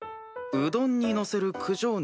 うどんにのせる九条